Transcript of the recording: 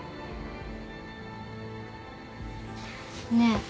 ねえ。